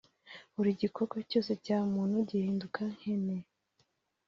buri gikorwa cyose cya muntu gihinduka nkene